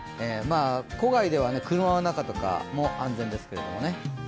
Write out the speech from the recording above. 戸外では車の中とか安全ですけどね。